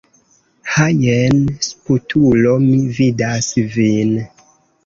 Ha jen sputulo, mi vidas vin.